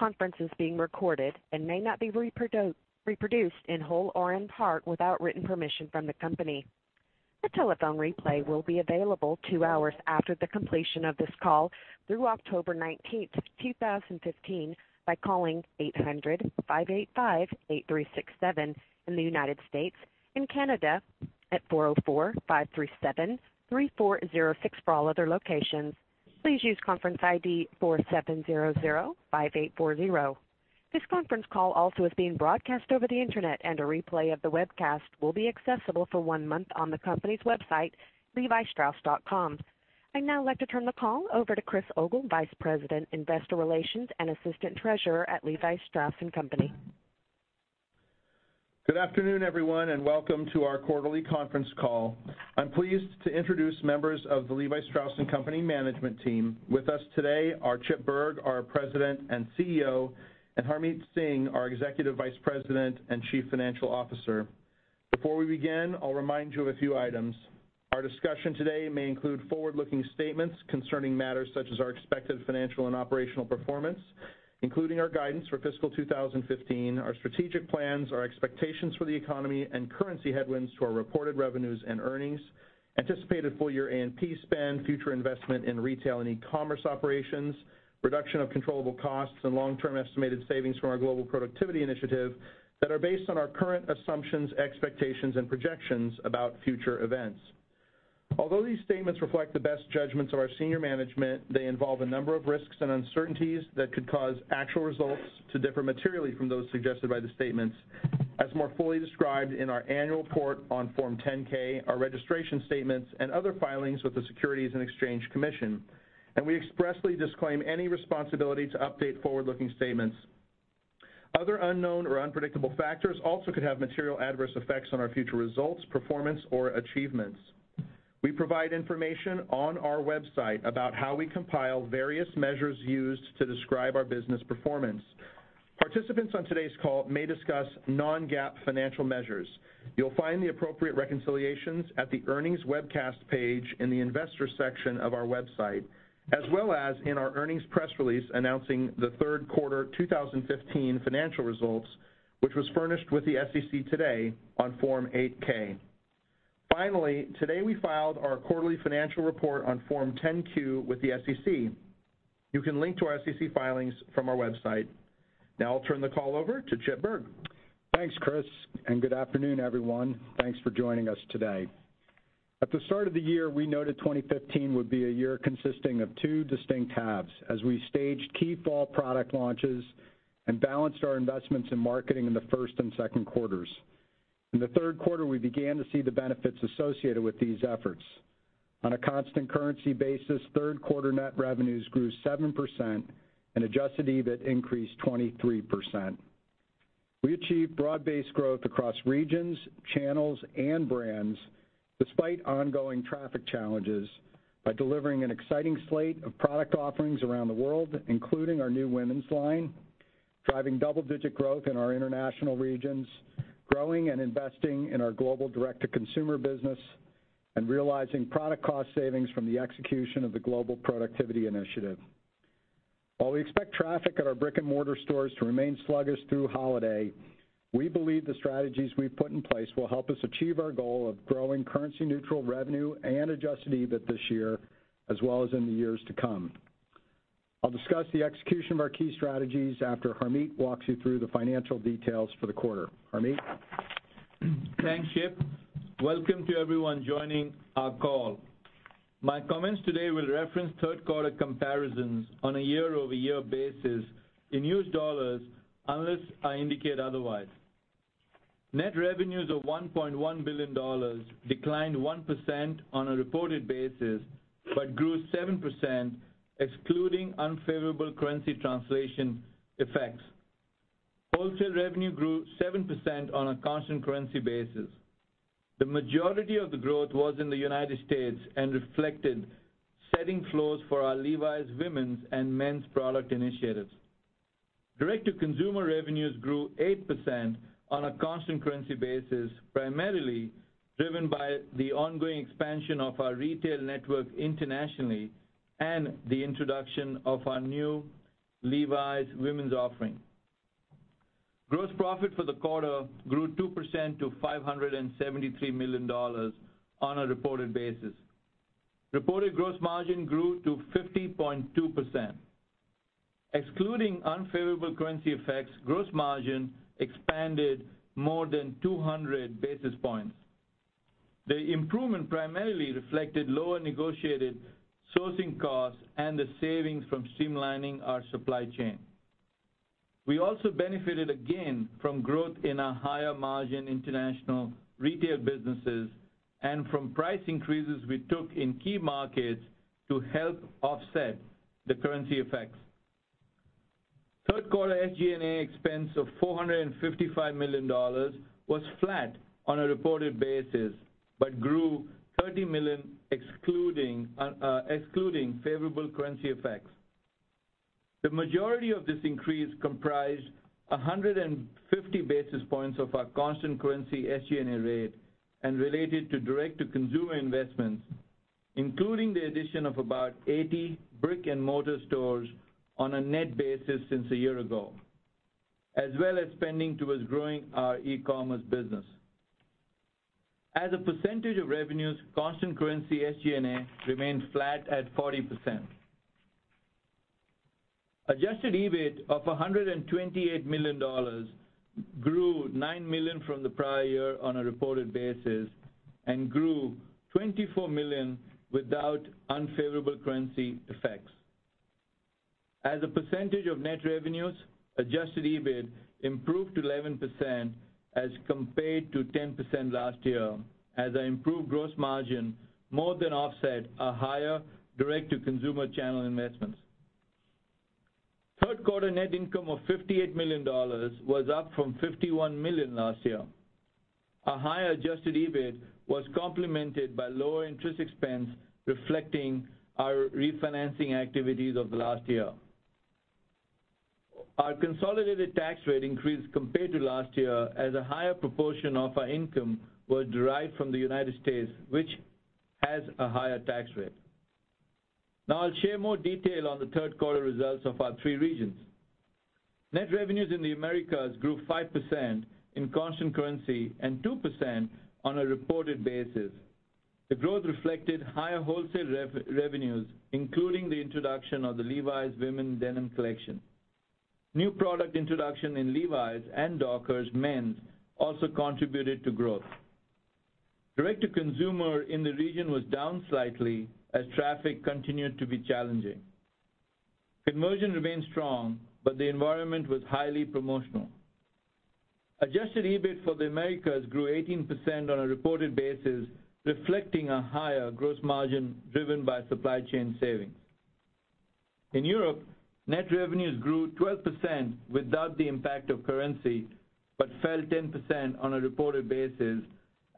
This conference is being recorded and may not be reproduced in whole or in part without written permission from the company. A telephone replay will be available two hours after the completion of this call through October 19th, 2015 by calling 800-585-8367 in the United States and Canada at 404-537-3406 for all other locations. Please use conference ID 47005840. This conference call also is being broadcast over the internet, and a replay of the webcast will be accessible for one month on the company's website, levistrauss.com. I'd now like to turn the call over to Chris Ogle, Vice President, Investor Relations, and Assistant Treasurer at Levi Strauss & Co. Good afternoon, everyone, and welcome to our quarterly conference call. I'm pleased to introduce members of the Levi Strauss & Co. management team. With us today are Chip Bergh, our President and CEO, and Harmit Singh, our Executive Vice President and Chief Financial Officer. Before we begin, I'll remind you of a few items. Our discussion today may include forward-looking statements concerning matters such as our expected financial and operational performance, including our guidance for fiscal 2015, our strategic plans, our expectations for the economy, and currency headwinds to our reported revenues and earnings, anticipated full year A&P spend, future investment in retail and e-commerce operations, reduction of controllable costs, and long-term estimated savings from our global productivity initiative that are based on our current assumptions, expectations, and projections about future events. Although these statements reflect the best judgments of our senior management, they involve a number of risks and uncertainties that could cause actual results to differ materially from those suggested by the statements as more fully described in our annual report on Form 10-K, our registration statements, and other filings with the Securities and Exchange Commission. We expressly disclaim any responsibility to update forward-looking statements. Other unknown or unpredictable factors also could have material adverse effects on our future results, performance, or achievements. We provide information on our website about how we compile various measures used to describe our business performance. Participants on today's call may discuss non-GAAP financial measures. You'll find the appropriate reconciliations at the earnings webcast page in the investor section of our website, as well as in our earnings press release announcing the third quarter 2015 financial results, which was furnished with the SEC today on Form 8-K. Finally, today we filed our quarterly financial report on Form 10-Q with the SEC. You can link to our SEC filings from our website. Now I'll turn the call over to Chip Bergh. Thanks, Chris, and good afternoon, everyone. Thanks for joining us today. At the start of the year, we noted 2015 would be a year consisting of two distinct halves as we staged key fall product launches and balanced our investments in marketing in the first and second quarters. In the third quarter, we began to see the benefits associated with these efforts. On a constant currency basis, third quarter net revenues grew 7% and Adjusted EBIT increased 23%. We achieved broad-based growth across regions, channels, and brands despite ongoing traffic challenges by delivering an exciting slate of product offerings around the world, including our new women's line, driving double-digit growth in our international regions, growing and investing in our global direct-to-consumer business, and realizing product cost savings from the execution of the global productivity initiative. While we expect traffic at our brick and mortar stores to remain sluggish through holiday, we believe the strategies we've put in place will help us achieve our goal of growing currency neutral revenue and Adjusted EBIT this year as well as in the years to come. I'll discuss the execution of our key strategies after Harmit walks you through the financial details for the quarter. Harmit? Thanks, Chip. Welcome to everyone joining our call. My comments today will reference third quarter comparisons on a year-over-year basis in US dollars, unless I indicate otherwise. Net revenues of $1.1 billion declined 1% on a reported basis but grew 7% excluding unfavorable currency translation effects. Wholesale revenue grew 7% on a constant currency basis. The majority of the growth was in the United States and reflected setting flows for our Levi's women's and men's product initiatives. Direct-to-consumer revenues grew 8% on a constant currency basis, primarily driven by the ongoing expansion of our retail network internationally and the introduction of our new Levi's women's offering. Gross profit for the quarter grew 2% to $573 million on a reported basis. Reported gross margin grew to 50.2%. Excluding unfavorable currency effects, gross margin expanded more than 200 basis points. The improvement primarily reflected lower negotiated sourcing costs and the savings from streamlining our supply chain. We also benefited again from growth in our higher margin international retail businesses and from price increases we took in key markets to help offset the currency effects. Third quarter SG&A expense of $455 million was flat on a reported basis but grew 30 million excluding favorable currency effects. The majority of this increase comprised 150 basis points of our constant currency SG&A rate and related to direct-to-consumer investments including the addition of about 80 brick-and-mortar stores on a net basis since a year ago, as well as spending towards growing our e-commerce business. As a percentage of revenues, constant currency SG&A remained flat at 40%. Adjusted EBIT of $128 million grew $9 million from the prior year on a reported basis and grew $24 million without unfavorable currency effects. As a percentage of net revenues, Adjusted EBIT improved to 11% as compared to 10% last year, as our improved gross margin more than offset our higher direct-to-consumer channel investments. Third quarter net income of $58 million was up from $51 million last year. A higher Adjusted EBIT was complemented by lower interest expense reflecting our refinancing activities of the last year. Our consolidated tax rate increased compared to last year as a higher proportion of our income was derived from the U.S., which has a higher tax rate. Now I'll share more detail on the third quarter results of our three regions. Net revenues in the Americas grew 5% in constant currency and 2% on a reported basis. The growth reflected higher wholesale revenues, including the introduction of the Levi's women's denim collection. New product introduction in Levi's and Dockers men's also contributed to growth. Direct-to-consumer in the region was down slightly as traffic continued to be challenging. Conversion remained strong, but the environment was highly promotional. Adjusted EBIT for the Americas grew 18% on a reported basis, reflecting a higher gross margin driven by supply chain savings. In Europe, net revenues grew 12% without the impact of currency, but fell 10% on a reported basis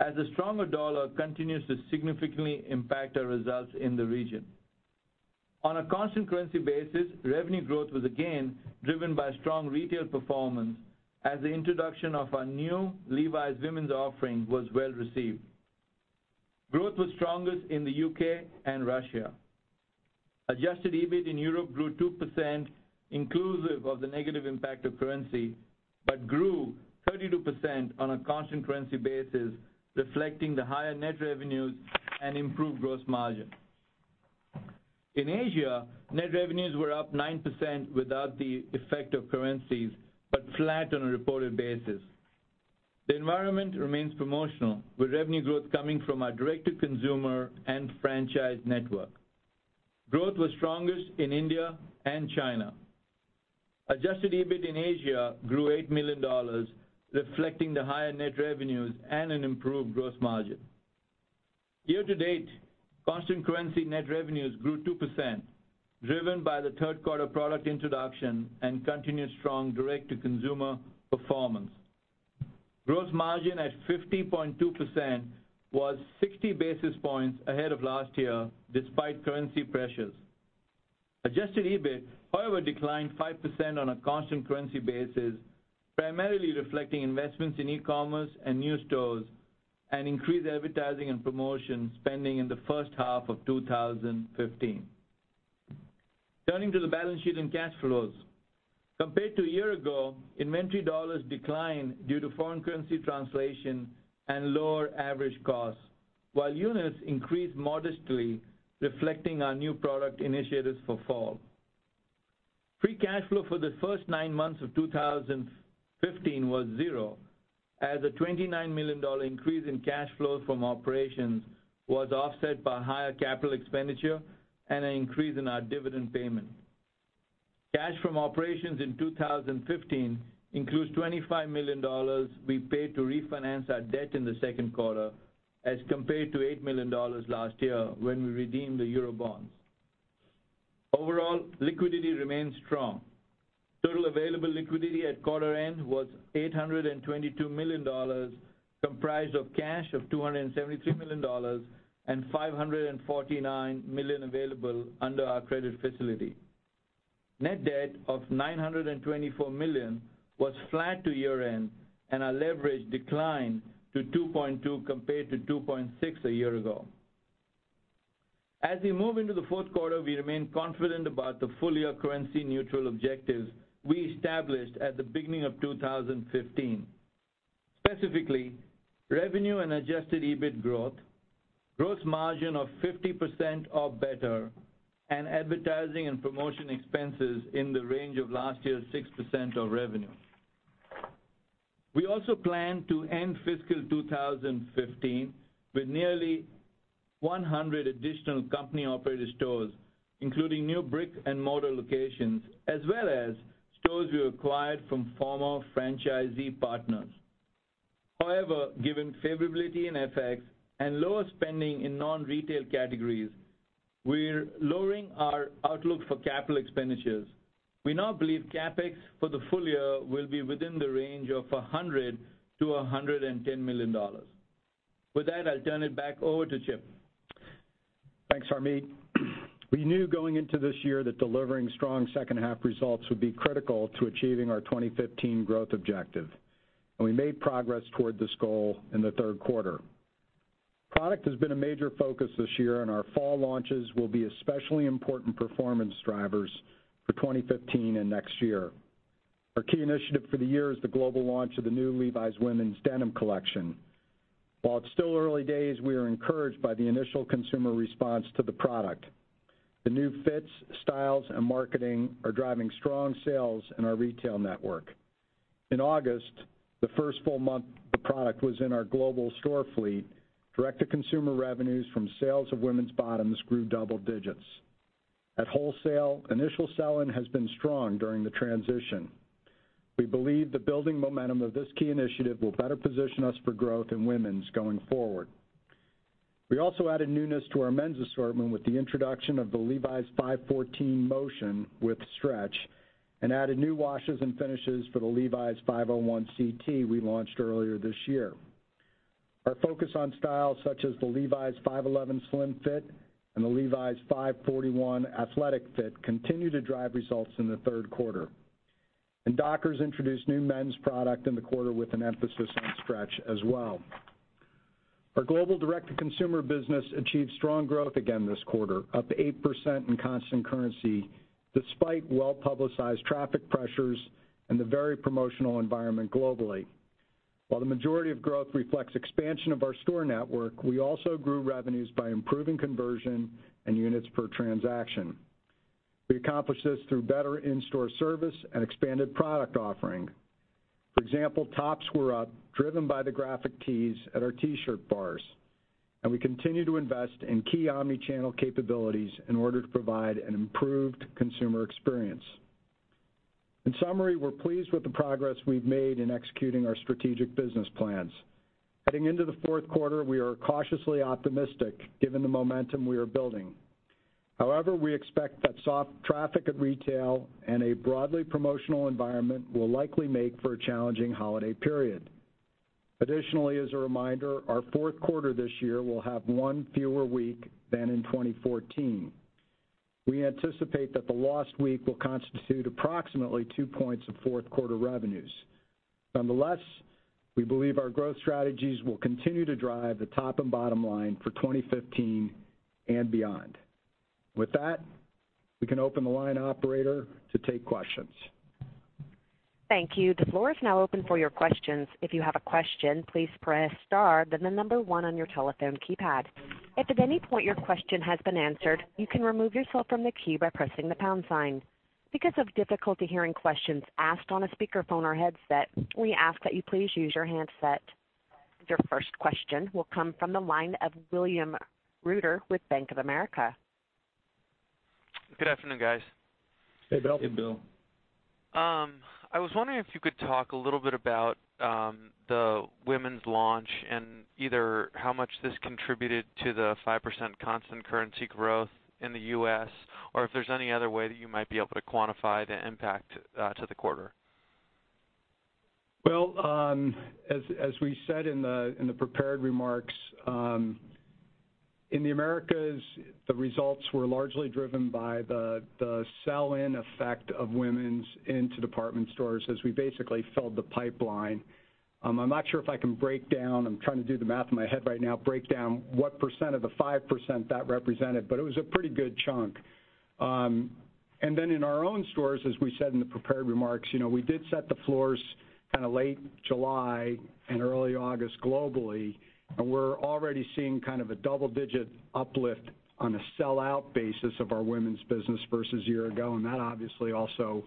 as the stronger dollar continues to significantly impact our results in the region. On a constant currency basis, revenue growth was again driven by strong retail performance as the introduction of our new Levi's women's offering was well received. Growth was strongest in the U.K. and Russia. Adjusted EBIT in Europe grew 2% inclusive of the negative impact of currency, but grew 32% on a constant currency basis, reflecting the higher net revenues and improved gross margin. In Asia, net revenues were up 9% without the effect of currencies, but flat on a reported basis. The environment remains promotional, with revenue growth coming from our direct-to-consumer and franchise network. Growth was strongest in India and China. Adjusted EBIT in Asia grew $8 million, reflecting the higher net revenues and an improved gross margin. Year to date, constant currency net revenues grew 2%, driven by the third quarter product introduction and continued strong direct-to-consumer performance. Gross margin at 50.2% was 60 basis points ahead of last year despite currency pressures. Adjusted EBIT, however, declined 5% on a constant currency basis, primarily reflecting investments in e-commerce and new stores and increased advertising and promotion spending in the first half of 2015. Turning to the balance sheet and cash flows. Compared to a year ago, inventory dollars declined due to foreign currency translation and lower average costs, while units increased modestly, reflecting our new product initiatives for fall. Free cash flow for the first nine months of 2015 was zero, as a $29 million increase in cash flow from operations was offset by higher capital expenditure and an increase in our dividend payment. Cash from operations in 2015 includes $25 million we paid to refinance our debt in the second quarter as compared to $8 million last year when we redeemed the EUR bonds. Overall, liquidity remains strong. Total available liquidity at quarter end was $822 million, comprised of cash of $273 million and $549 million available under our credit facility. Net debt of $924 million was flat to year-end, and our leverage declined to 2.2 compared to 2.6 a year ago. As we move into the fourth quarter, we remain confident about the full-year currency neutral objectives we established at the beginning of 2015. Specifically, revenue and Adjusted EBIT growth, gross margin of 50% or better, and advertising and promotion expenses in the range of last year's 6% of revenue. We also plan to end fiscal 2015 with nearly 100 additional company-operated stores, including new brick-and-mortar locations, as well as stores we acquired from former franchisee partners. However, given favorability in FX and lower spending in non-retail categories, we're lowering our outlook for capital expenditures. We now believe CapEx for the full year will be within the range of $100 million-$110 million. With that, I'll turn it back over to Chip. Thanks, Harmit. We knew going into this year that delivering strong second half results would be critical to achieving our 2015 growth objective. We made progress toward this goal in the third quarter. Product has been a major focus this year, and our fall launches will be especially important performance drivers for 2015 and next year. Our key initiative for the year is the global launch of the new Levi's women's denim collection. While it's still early days, we are encouraged by the initial consumer response to the product. The new fits, styles, and marketing are driving strong sales in our retail network. In August, the first full month the product was in our global store fleet, direct-to-consumer revenues from sales of women's bottoms grew double digits. At wholesale, initial sell-in has been strong during the transition. We believe the building momentum of this key initiative will better position us for growth in women's going forward. We also added newness to our men's assortment with the introduction of the Levi's 514 Motion with stretch, and added new washes and finishes for the Levi's 501 CT we launched earlier this year. Our focus on styles such as the Levi's 511 Slim Fit and the Levi's 541 Athletic Fit continued to drive results in the third quarter. Dockers introduced new men's product in the quarter with an emphasis on stretch as well. Our global direct-to-consumer business achieved strong growth again this quarter, up 8% in constant currency, despite well-publicized traffic pressures and the very promotional environment globally. While the majority of growth reflects expansion of our store network, we also grew revenues by improving conversion and units per transaction. We accomplished this through better in-store service and expanded product offering. For example, tops were up, driven by the graphic tees at our T-shirt bars. We continue to invest in key omni-channel capabilities in order to provide an improved consumer experience. In summary, we're pleased with the progress we've made in executing our strategic business plans. Heading into the fourth quarter, we are cautiously optimistic given the momentum we are building. However, we expect that soft traffic at retail and a broadly promotional environment will likely make for a challenging holiday period. Additionally, as a reminder, our fourth quarter this year will have one fewer week than in 2014. We anticipate that the lost week will constitute approximately two points of fourth quarter revenues. Nonetheless, we believe our growth strategies will continue to drive the top and bottom line for 2015 and beyond. With that, we can open the line operator to take questions. Thank you. The floor is now open for your questions. If you have a question, please press star, then the number one on your telephone keypad. If at any point your question has been answered, you can remove yourself from the queue by pressing the pound sign. Because of difficulty hearing questions asked on a speakerphone or headset, we ask that you please use your handset. Your first question will come from the line of William Reuter with Bank of America. Good afternoon, guys. Hey, Bill. Hey, Bill. I was wondering if you could talk a little bit about the women's launch and either how much this contributed to the 5% constant currency growth in the U.S., or if there's any other way that you might be able to quantify the impact to the quarter. Well, as we said in the prepared remarks, in the Americas, the results were largely driven by the sell-in effect of women's into department stores as we basically filled the pipeline. I'm not sure if I can break down, I'm trying to do the math in my head right now, break down what percent of the 5% that represented, but it was a pretty good chunk. Then in our own stores, as we said in the prepared remarks, we did set the floors late July and early August globally, and we're already seeing a double-digit uplift on a sellout basis of our women's business versus a year ago. That obviously also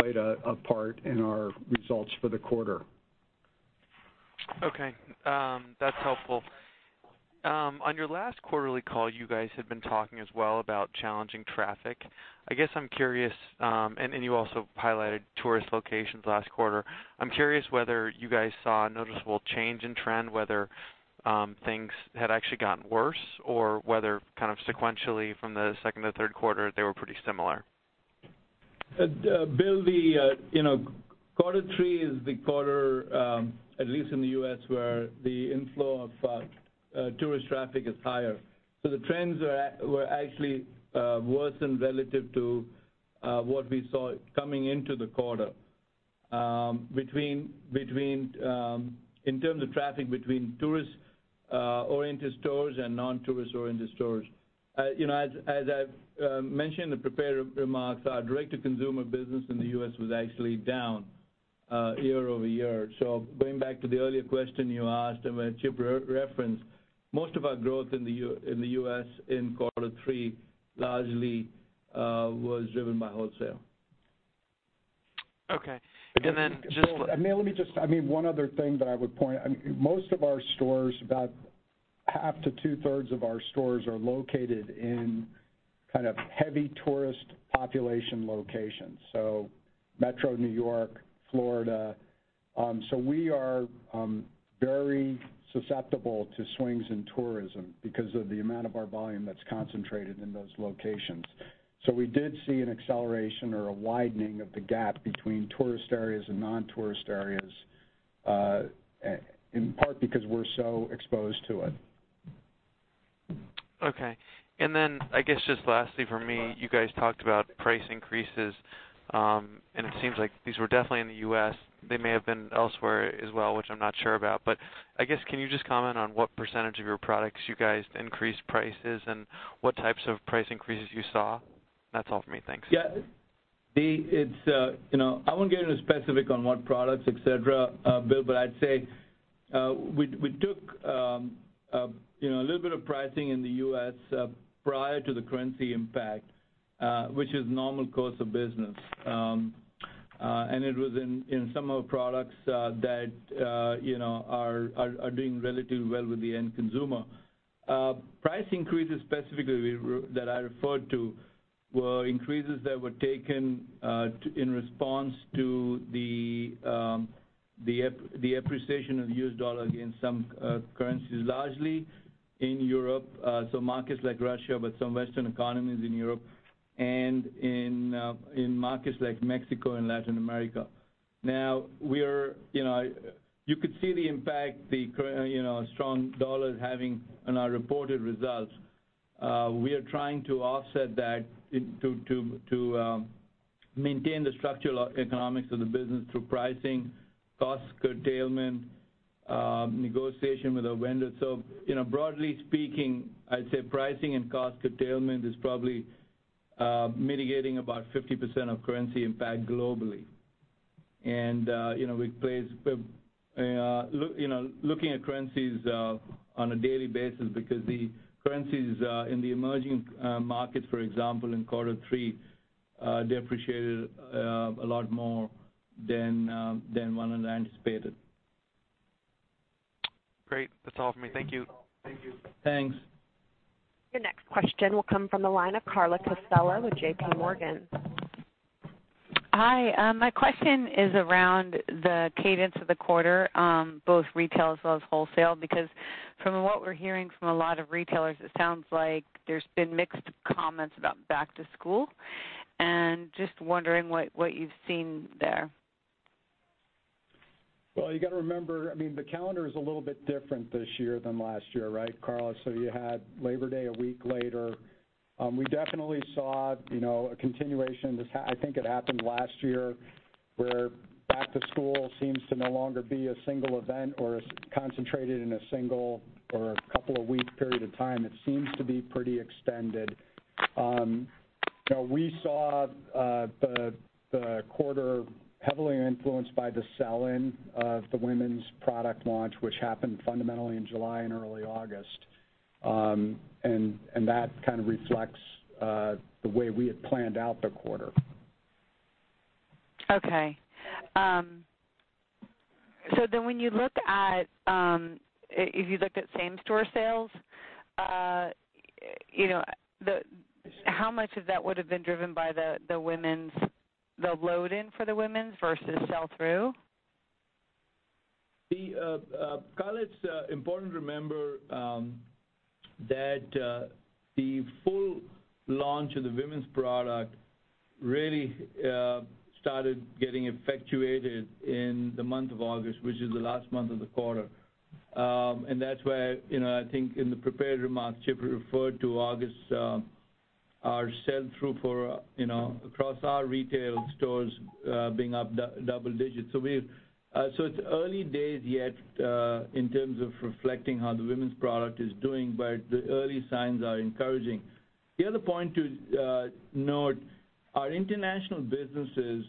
played a part in our results for the quarter. Okay. That's helpful. On your last quarterly call, you guys had been talking as well about challenging traffic. You also highlighted tourist locations last quarter. I'm curious whether you guys saw a noticeable change in trend, whether things had actually gotten worse, or whether sequentially from the second to third quarter, they were pretty similar. Bill, quarter three is the quarter, at least in the U.S., where the inflow of tourist traffic is higher. The trends were actually worsened relative to what we saw coming into the quarter in terms of traffic between tourist-oriented stores and non-tourist-oriented stores. As I've mentioned in the prepared remarks, our direct-to-consumer business in the U.S. was actually down year-over-year. Going back to the earlier question you asked, and Chip referenced, most of our growth in the U.S. in quarter three largely was driven by wholesale. Okay. Then just. Bill, one other thing that I would point out. Most of our stores, about half to two-thirds of our stores, are located in heavy tourist population locations, metro New York, Florida. We are very susceptible to swings in tourism because of the amount of our volume that's concentrated in those locations. We did see an acceleration or a widening of the gap between tourist areas and non-tourist areas, in part because we're so exposed to it. Okay. Then, I guess, just lastly from me, you guys talked about price increases, and it seems like these were definitely in the U.S. They may have been elsewhere as well, which I'm not sure about, but I guess can you just comment on what % of your products you guys increased prices and what types of price increases you saw? That's all for me. Thanks. I won't get into specific on what products, et cetera, Bill, I'd say we took a little bit of pricing in the U.S. prior to the currency impact, which is normal course of business. It was in some of the products that are doing relatively well with the end consumer. Price increases, specifically, that I referred to were increases that were taken in response to the appreciation of the U.S. dollar against some currencies, largely in Europe. Markets like Russia, but some Western economies in Europe and in markets like Mexico and Latin America. You could see the impact the strong dollar is having on our reported results. We are trying to offset that to maintain the structural economics of the business through pricing, cost curtailment, negotiation with our vendors. Broadly speaking, I'd say pricing and cost curtailment is probably mitigating about 50% of currency impact globally. We are looking at currencies on a daily basis because the currencies in the emerging markets, for example, in quarter three depreciated a lot more than one had anticipated. Great. That's all for me. Thank you. Thanks. Your next question will come from the line of Carla Casella with JPMorgan. Hi. My question is around the cadence of the quarter, both retail as well as wholesale, because from what we're hearing from a lot of retailers, it sounds like there's been mixed comments about back to school. Just wondering what you've seen there. Well, you got to remember, the calendar is a little bit different this year than last year, right, Carla? You had Labor Day one week later. We definitely saw a continuation. I think it happened last year, where back to school seems to no longer be a single event or is concentrated in a single or a couple of week period of time. It seems to be pretty extended. We saw the quarter heavily influenced by the sell-in of the women's product launch, which happened fundamentally in July and early August. That kind of reflects the way we had planned out the quarter. Okay. If you looked at same store sales, how much of that would have been driven by the load-in for the women's versus sell-through? Carla, it's important to remember that the full launch of the women's product really started getting effectuated in the month of August, which is the last month of the quarter. That's why, I think in the prepared remarks, Chip referred to August, our sell-through across our retail stores being up double digits. It's early days yet, in terms of reflecting how the women's product is doing, but the early signs are encouraging. The other point to note, our international businesses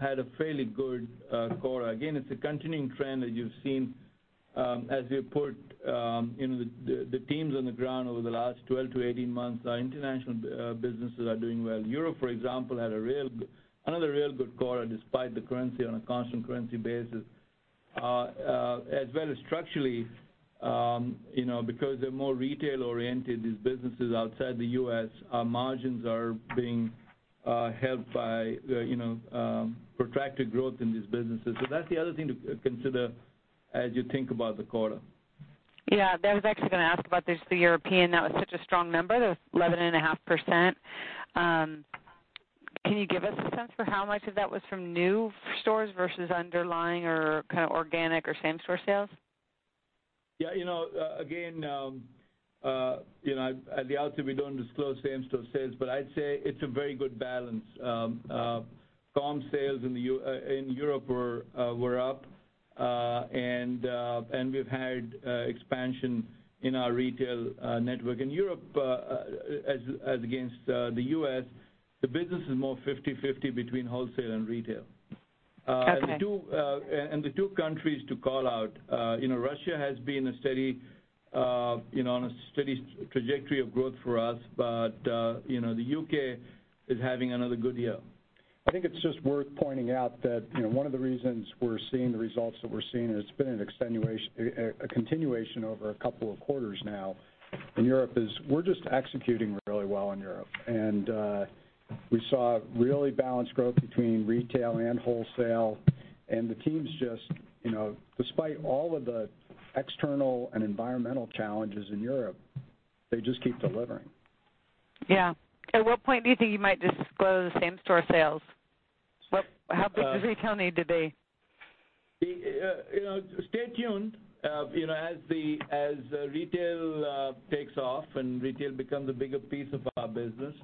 had a fairly good quarter. Again, it's a continuing trend that you've seen. As we put the teams on the ground over the last 12 to 18 months, our international businesses are doing well. Europe, for example, had another real good quarter despite the currency on a constant currency basis. As well as structurally, because they're more retail-oriented, these businesses outside the U.S., our margins are being helped by protracted growth in these businesses. That's the other thing to consider as you think about the quarter. Yeah, I was actually going to ask about just the European. That was such a strong number, the 11.5%. Can you give us a sense for how much of that was from new stores versus underlying or kind of organic or same store sales? Yeah. Again, at the outset, we don't disclose same store sales, I'd say it's a very good balance. Comp sales in Europe were up, we've had expansion in our retail network. In Europe, as against the U.S., the business is more 50/50 between wholesale and retail. Okay. The two countries to call out. Russia has been on a steady trajectory of growth for us, the U.K. is having another good year. I think it's just worth pointing out that one of the reasons we're seeing the results that we're seeing, and it's been a continuation over a couple of quarters now in Europe, is we're just executing really well in Europe. We saw really balanced growth between retail and wholesale, and the teams just, despite all of the external and environmental challenges in Europe, they just keep delivering. Yeah. At what point do you think you might disclose the same store sales? How big does retail need to be? Stay tuned. As retail takes off and retail becomes a bigger piece of our business,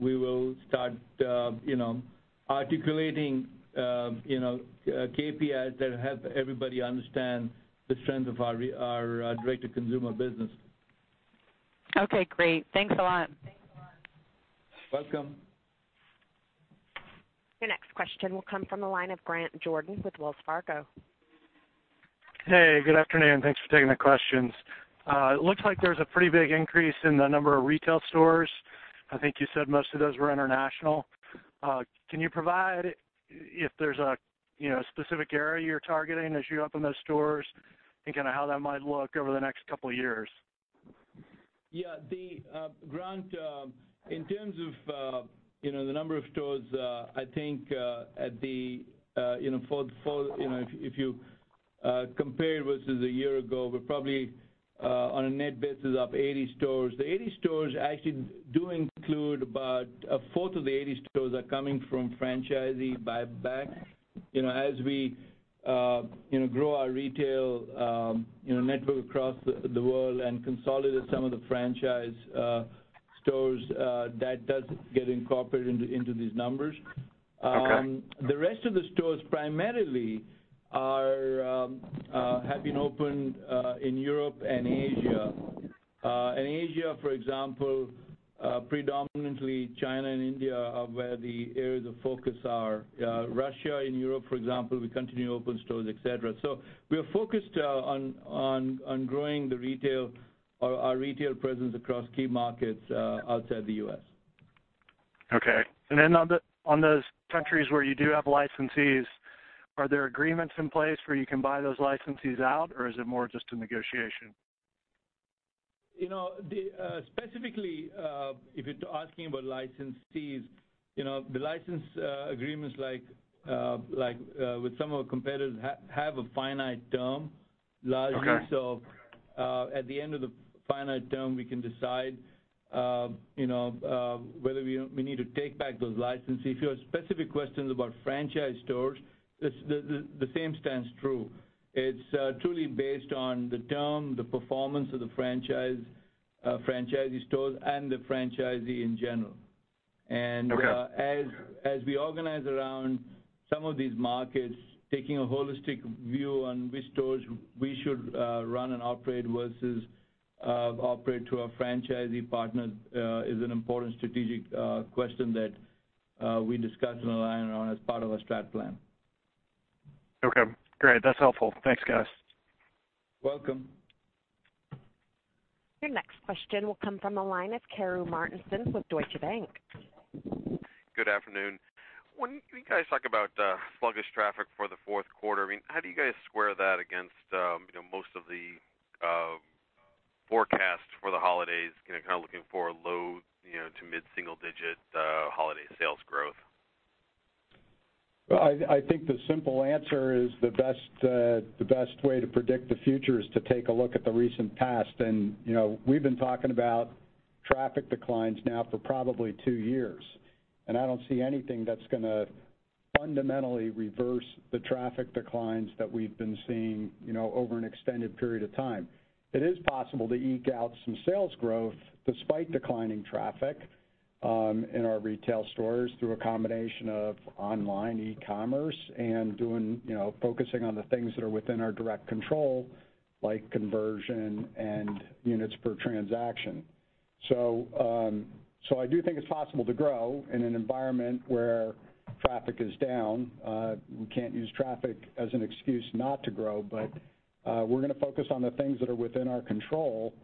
we will start articulating KPIs that help everybody understand the strength of our direct-to-consumer business. Okay, great. Thanks a lot. Welcome. Your next question will come from the line of Grant Jordan with Wells Fargo. Hey, good afternoon. Thanks for taking the questions. It looks like there's a pretty big increase in the number of retail stores. I think you said most of those were international. Can you provide if there's a specific area you're targeting as you open those stores, and how that might look over the next couple of years? Yeah. Grant, in terms of the number of stores, I think if you compare versus a year ago, we're probably on a net basis up 80 stores. The 80 stores actually do include about a fourth of the 80 stores are coming from franchisee buyback. As we grow our retail network across the world and consolidate some of the franchise stores, that does get incorporated into these numbers. Okay. The rest of the stores primarily have been opened in Europe and Asia. Asia, for example, predominantly China and India are where the areas of focus are. Russia and Europe, for example, we continue to open stores, et cetera. We are focused on growing our retail presence across key markets outside the U.S. On those countries where you do have licensees, are there agreements in place where you can buy those licensees out, or is it more just a negotiation? Specifically, if you're asking about licensees, the license agreements like with some of our competitors, have a finite term, largely. Okay. At the end of the finite term, we can decide whether we need to take back those licenses. If you have specific questions about franchise stores, the same stands true. It's truly based on the term, the performance of the franchisee stores, and the franchisee in general. Okay. As we organize around some of these markets, taking a holistic view on which stores we should run and operate versus operate to a franchisee partner is an important strategic question that we discuss and align on as part of our strat plan. Okay, great. That's helpful. Thanks, guys. Welcome. Your next question will come from the line of Karu Martinson with Deutsche Bank. Good afternoon. When you guys talk about sluggish traffic for the fourth quarter, how do you guys square that against most of the forecasts for the holidays, kind of looking for a low to mid-single-digit holiday sales growth? I think the simple answer is the best way to predict the future is to take a look at the recent past. We've been talking about traffic declines now for probably two years, and I don't see anything that's going to fundamentally reverse the traffic declines that we've been seeing over an extended period of time. It is possible to eke out some sales growth despite declining traffic in our retail stores through a combination of online e-commerce and focusing on the things that are within our direct control, like conversion and units per transaction. I do think it's possible to grow in an environment where traffic is down. We can't use traffic as an excuse not to grow, but we're going to focus on the things that are within our control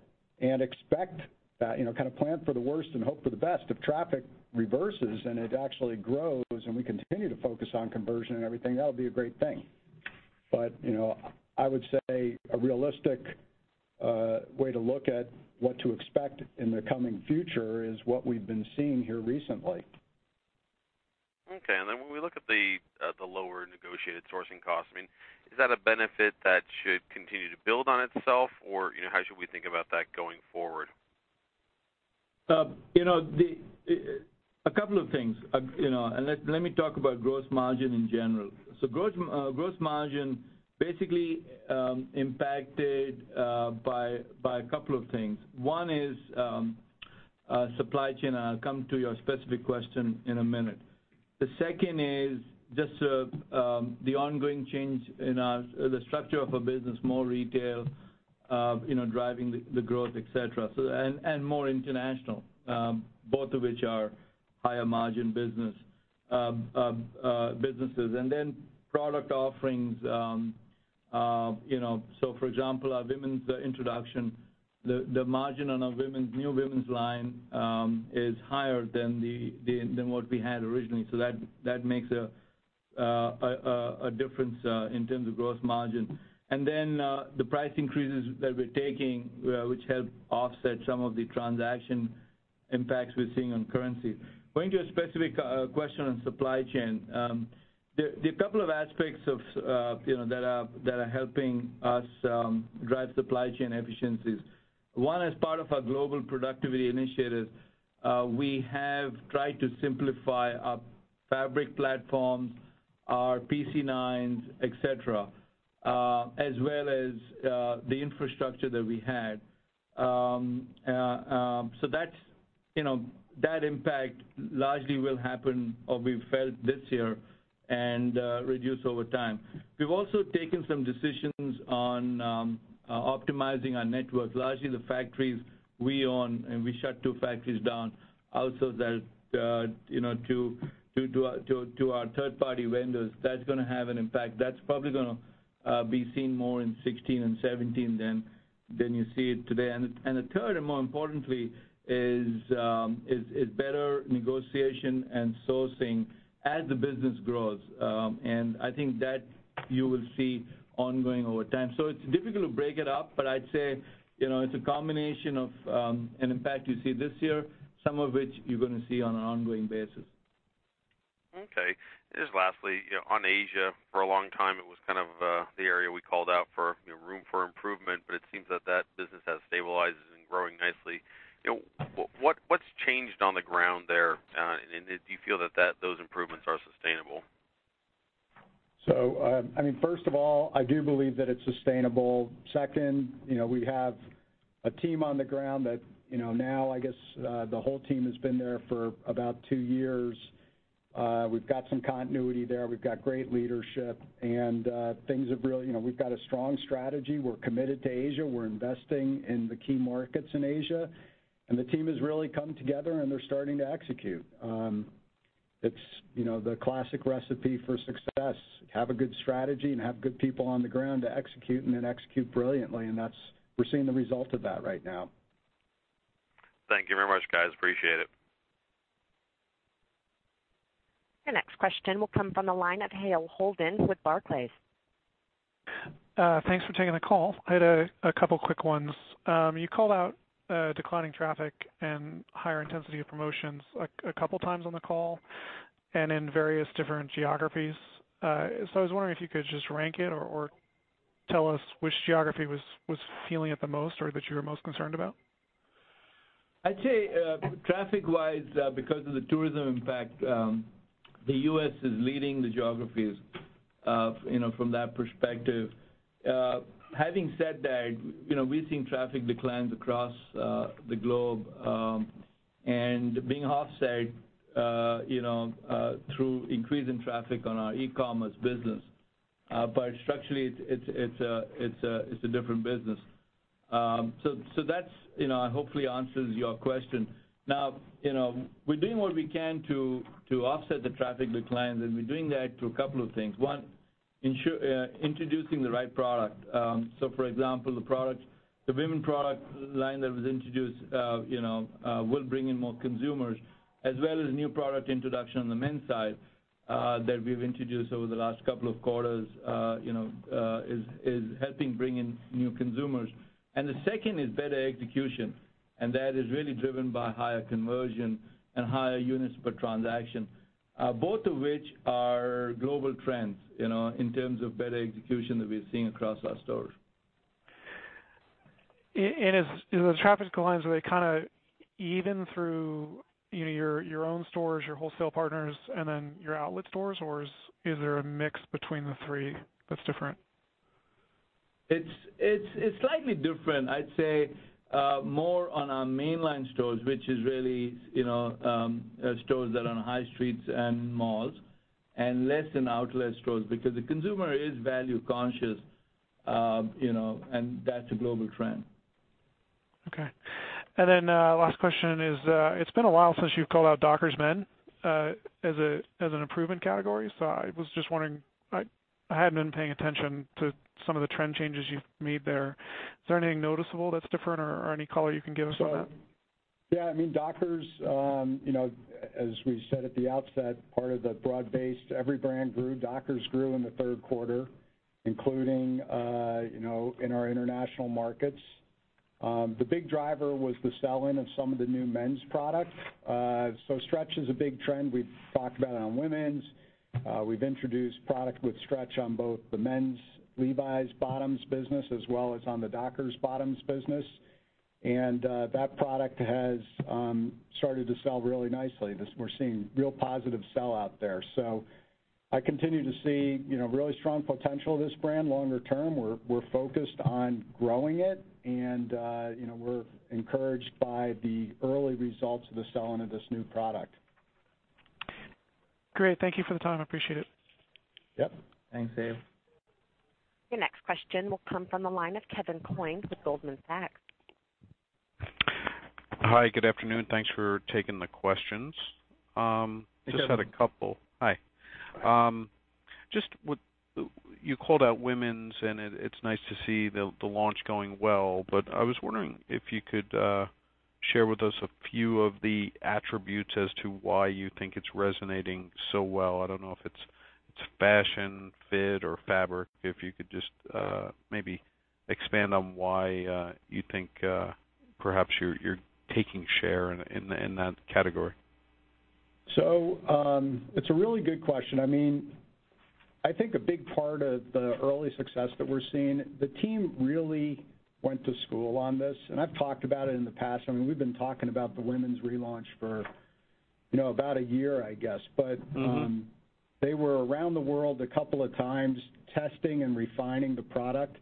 and expect that, kind of plan for the worst and hope for the best. If traffic reverses and it actually grows, and we continue to focus on conversion and everything, that'll be a great thing. I would say a realistic way to look at what to expect in the coming future is what we've been seeing here recently. Okay. When we look at the lower negotiated sourcing costs, is that a benefit that should continue to build on itself, or how should we think about that going forward? A couple of things. Let me talk about gross margin in general. Gross margin basically impacted by a couple of things. One is supply chain. I'll come to your specific question in a minute. The second is just the ongoing change in the structure of a business, more retail driving the growth, et cetera, and more international, both of which are higher margin businesses. Product offerings. For example, our women's introduction, the margin on our new women's line is higher than what we had originally. That makes a difference in terms of gross margin. The price increases that we're taking which help offset some of the transaction impacts we're seeing on currency. Going to your specific question on supply chain. The couple of aspects that are helping us drive supply chain efficiencies. One is part of our global productivity initiatives. We have tried to simplify our fabric platforms, our PC9s, et cetera, as well as the infrastructure that we had. That impact largely will happen or be felt this year and reduce over time. We've also taken some decisions on optimizing our networks. Largely the factories we own. We shut two factories down. Outsourced that to our third-party vendors. That's going to have an impact. That's probably going to be seen more in 2016 and 2017 than you see it today. The third, and more importantly, is better negotiation and sourcing as the business grows. I think that you will see ongoing over time. It's difficult to break it up, but I'd say it's a combination of an impact you see this year, some of which you're going to see on an ongoing basis. Okay. Just lastly, on Asia, for a long time it was the area we called out for room for improvement, it seems that that business has stabilized and is growing nicely. What's changed on the ground there? Do you feel that those improvements are sustainable? First of all, I do believe that it's sustainable. Second, we have a team on the ground that now I guess the whole team has been there for about two years. We've got some continuity there. We've got great leadership and we've got a strong strategy. We're committed to Asia. We're investing in the key markets in Asia, the team has really come together, and they're starting to execute. It's the classic recipe for success. Have a good strategy and have good people on the ground to execute and then execute brilliantly, we're seeing the result of that right now. Thank you very much, guys. Appreciate it. Your next question will come from the line of Hale Holden with Barclays. Thanks for taking the call. I had a couple quick ones. You called out declining traffic and higher intensity of promotions a couple times on the call and in various different geographies. I was wondering if you could just rank it or tell us which geography was feeling it the most or that you were most concerned about. I'd say, traffic wise, because of the tourism impact, the U.S. is leading the geographies from that perspective. Having said that, we've seen traffic declines across the globe, and being offset through increase in traffic on our e-commerce business. Structurally, it's a different business. That hopefully answers your question. Now, we're doing what we can to offset the traffic declines, and we're doing that through a couple of things. One, introducing the right product. For example, the women product line that was introduced will bring in more consumers, as well as new product introduction on the men's side that we've introduced over the last couple of quarters, is helping bring in new consumers. The second is better execution. That is really driven by higher conversion and higher units per transaction. Both of which are global trends, in terms of better execution that we're seeing across our stores. The traffic declines, are they even through your own stores, your wholesale partners, and then your outlet stores, or is there a mix between the three that's different? It's slightly different. I'd say more on our mainline stores, which is really stores that are on high streets and malls, and less in outlet stores because the consumer is value conscious, and that's a global trend. Okay. Last question is, it's been a while since you've called out Dockers men as an improvement category. I was just wondering, I hadn't been paying attention to some of the trend changes you've made there. Is there anything noticeable that's different or any color you can give us on that? Yeah, Dockers, as we said at the outset, part of the broad-based every brand grew. Dockers grew in the third quarter, including in our international markets. The big driver was the sell-in of some of the new men's product. Stretch is a big trend. We've talked about it on women's. We've introduced product with stretch on both the men's Levi's bottoms business as well as on the Dockers bottoms business. That product has started to sell really nicely. We're seeing real positive sellout there. I continue to see really strong potential of this brand longer term. We're focused on growing it and we're encouraged by the early results of the selling of this new product. Great. Thank you for the time. Appreciate it. Yep. Thanks, Hale. Your next question will come from the line of Kevin Coyne with Goldman Sachs. Hi, good afternoon. Thanks for taking the questions. Hey, Kevin. Just had a couple. Hi. Hi. You called out women's, and it's nice to see the launch going well. I was wondering if you could share with us a few of the attributes as to why you think it's resonating so well. I don't know if it's fashion, fit, or fabric. If you could just maybe expand on why you think perhaps you're taking share in that category. It's a really good question. I think a big part of the early success that we're seeing, the team really went to school on this, and I've talked about it in the past. We've been talking about the women's relaunch for about a year, I guess. They were around the world a couple of times, testing and refining the product.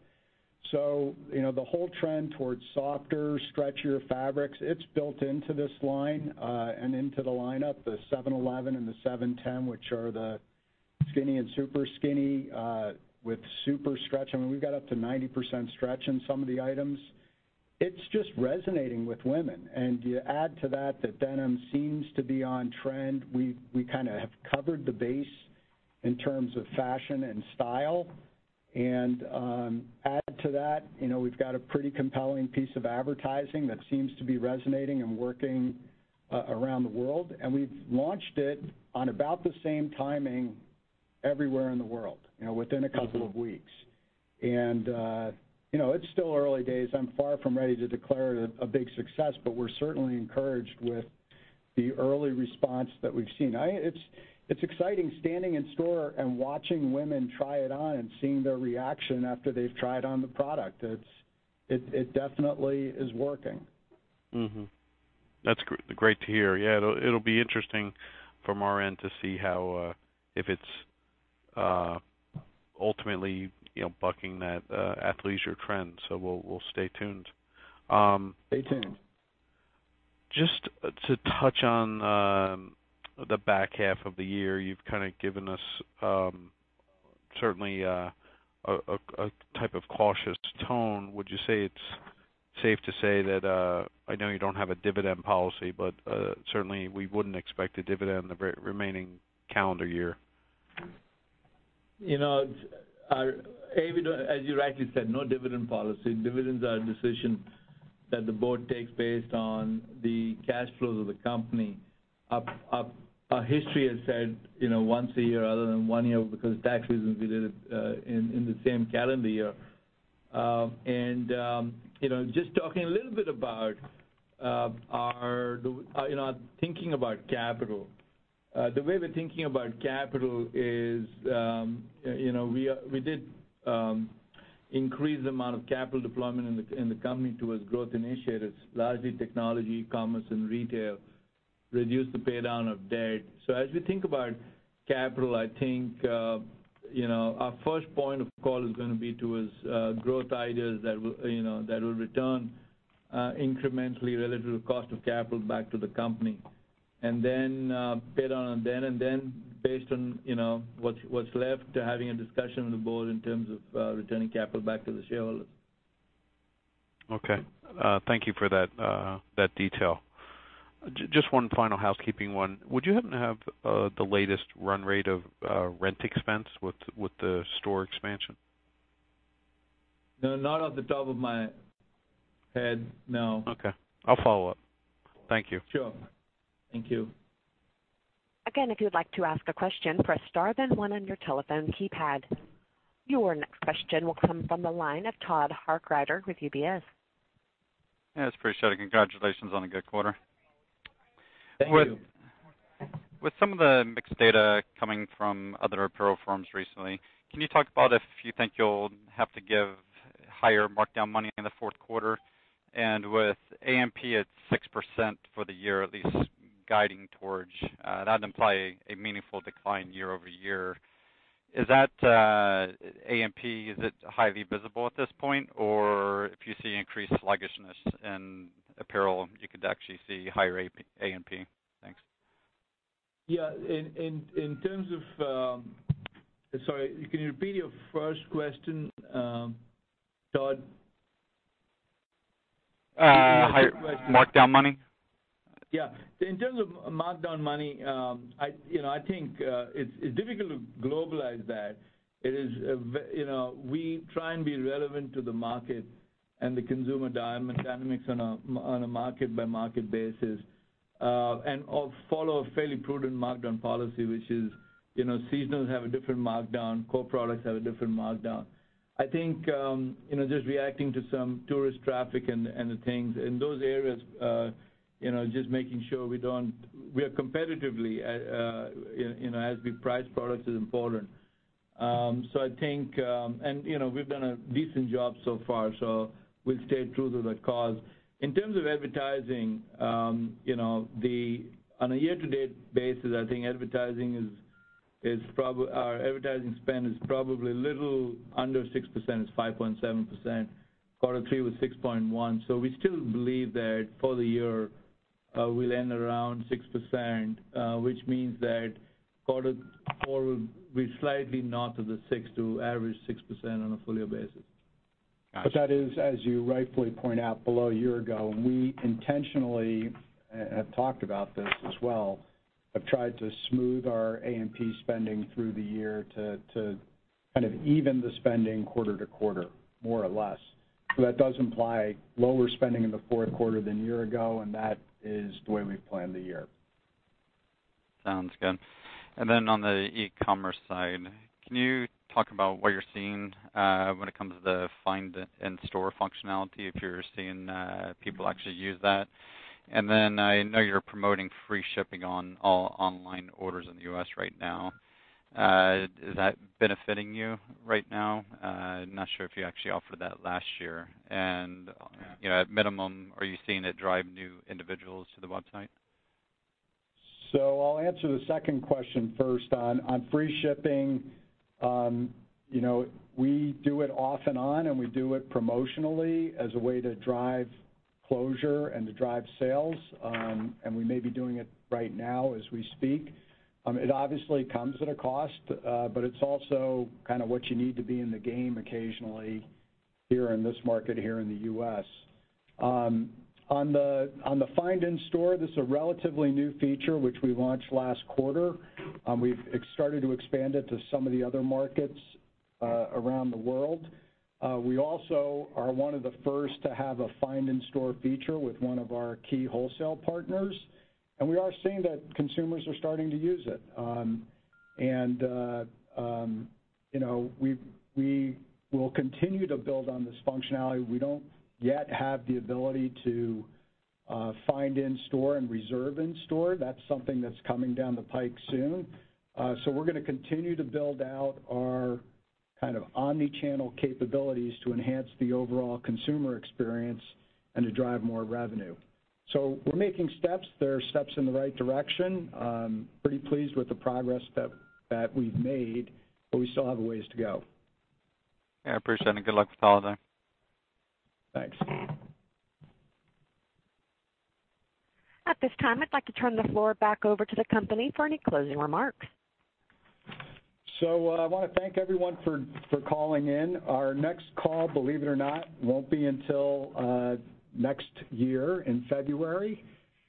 The whole trend towards softer, stretchier fabrics, it's built into this line, and into the lineup. The 711 and the 710, which are the skinny and super skinny, with super stretch. We've got up to 90% stretch in some of the items. It's just resonating with women. You add to that denim seems to be on trend. We have covered the base in terms of fashion and style. Add to that, we've got a pretty compelling piece of advertising that seems to be resonating and working around the world. We've launched it on about the same timing everywhere in the world, within a couple of weeks. It's still early days. I'm far from ready to declare it a big success. We're certainly encouraged with the early response that we've seen. It's exciting standing in store and watching women try it on and seeing their reaction after they've tried on the product. It definitely is working. That's great to hear. Yeah, it'll be interesting from our end to see if it's ultimately bucking that athleisure trend. We'll stay tuned. Stay tuned. Just to touch on the back half of the year. You've given us certainly a type of cautious tone. Would you say it's safe to say that, I know you don't have a dividend policy, certainly we wouldn't expect a dividend the remaining calendar year. As you rightly said, no dividend policy. Dividends are a decision that the board takes based on the cash flows of the company. Our history has said once a year, other than one year because of tax reasons, we did it in the same calendar year. Just talking a little bit about our thinking about capital. The way we're thinking about capital is, we did increase the amount of capital deployment in the company towards growth initiatives, largely technology, e-commerce, and retail, reduce the pay down of debt. As we think about capital, I think, our first point of call is going to be towards growth ideas that will return incrementally relative to the cost of capital back to the company. Then, pay down on debt, and then based on what's left, having a discussion with the board in terms of returning capital back to the shareholders. Okay. Thank you for that detail. Just one final housekeeping one. Would you happen to have the latest run rate of rent expense with the store expansion? No, not off the top of my head, no. Okay. I'll follow up. Thank you. Sure. Thank you. Again, if you'd like to ask a question, press star then one on your telephone keypad. Your next question will come from the line of Todd Harkrider with UBS. Yes, appreciate it. Congratulations on a good quarter. Thank you. With some of the mixed data coming from other apparel firms recently, can you talk about if you think you'll have to give higher markdown money in the fourth quarter? With A&P at 6% for the year, at least guiding towards, that would imply a meaningful decline year-over-year. Is that A&P, is it highly visible at this point? Or if you see increased sluggishness in apparel, you could actually see higher A&P? Thanks. Yeah. Sorry, can you repeat your first question, Todd? Markdown money. Yeah. In terms of markdown money, I think it's difficult to globalize that. We try and be relevant to the market and the consumer dynamics on a market by market basis. We follow a fairly prudent markdown policy, which is seasonals have a different markdown. Core products have a different markdown. I think just reacting to some tourist traffic and the things in those areas, just making sure we are competitively as we price products is important. I think and we've done a decent job so far, so we'll stay true to that cause. In terms of advertising, on a year-to-date basis, I think our advertising spend is probably a little under 6%. It's 5.7%. Quarter three was 6.1%. We still believe that for the year, we'll end around 6%, which means that quarter four will be slightly north of the 6% to average 6% on a full year basis. Got you. That is, as you rightfully point out, below a year ago. We intentionally have talked about this as well, have tried to smooth our A&P spending through the year to even the spending quarter to quarter, more or less. That does imply lower spending in the fourth quarter than a year ago, and that is the way we've planned the year. Sounds good. On the e-commerce side, can you talk about what you're seeing when it comes to the find in store functionality, if you're seeing people actually use that? I know you're promoting free shipping on all online orders in the U.S. right now. Is that benefiting you right now? Not sure if you actually offered that last year. At minimum, are you seeing it drive new individuals to the website? I'll answer the second question first on free shipping. We do it off and on, we do it promotionally as a way to drive closure and to drive sales. We may be doing it right now as we speak. It obviously comes at a cost, it's also kind of what you need to be in the game occasionally here in this market, here in the U.S. On the find in store, this is a relatively new feature, which we launched last quarter. We've started to expand it to some of the other markets around the world. We also are one of the first to have a find in store feature with one of our key wholesale partners, we are seeing that consumers are starting to use it. We will continue to build on this functionality. We don't yet have the ability to find in store and reserve in store. That's something that's coming down the pike soon. We're going to continue to build out our kind of omni-channel capabilities to enhance the overall consumer experience and to drive more revenue. We're making steps. They're steps in the right direction. Pretty pleased with the progress that we've made, we still have a ways to go. Yeah, appreciate it. Good luck with the holiday. Thanks. At this time, I'd like to turn the floor back over to the company for any closing remarks. I want to thank everyone for calling in. Our next call, believe it or not, won't be until next year in February,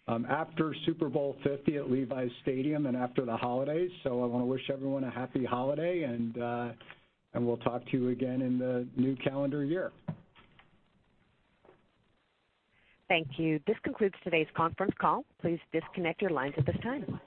after Super Bowl 50 at Levi's Stadium and after the holidays. I want to wish everyone a happy holiday, and we'll talk to you again in the new calendar year. Thank you. This concludes today's conference call. Please disconnect your lines at this time.